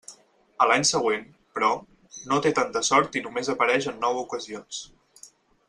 A l'any següent, però, no té tanta sort i només apareix en nou ocasions.